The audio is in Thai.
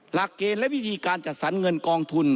หลักเกณฑ์และวิธีการจัดสรรเงินกองทุน